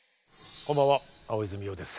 こんばんは大泉洋です。